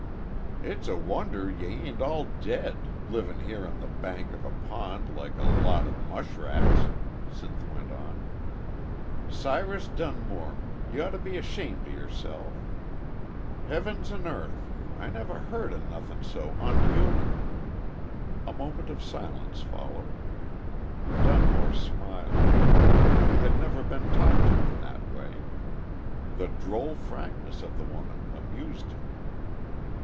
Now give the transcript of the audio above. "It's a wonder ye ain't all dead livin' here on the bank of a pond like a lot o' mushrats!" Sinth went on. "Cyrus Dunmore, you ought t' be 'shamed o' yerself. Heavens an' earth! I never heard o' nothin' so unhuman." A moment of silence followed. Dunmore smiled. He had never been talked to in that way. The droll frankness of the woman amused him.